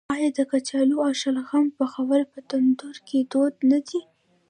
آیا د کچالو او شلغم پخول په تندور کې دود نه دی؟